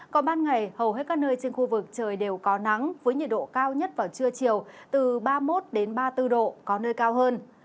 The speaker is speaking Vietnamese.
còn ban ngày hầu hết các nơi trên khu vực trời đều có nắng với nhiệt độ cao nhất vào trưa chiều từ ba mươi một ba mươi bốn độ có nơi cao hơn